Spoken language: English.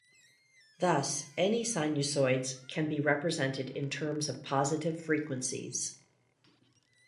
Thus any sinusoids can be represented in terms of positive frequencies.